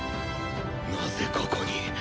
なぜここに？